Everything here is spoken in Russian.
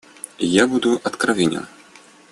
Я буду откровенен.